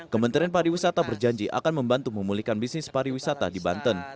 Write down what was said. kementerian pariwisata berjanji akan membantu memulihkan bisnis pariwisata di banten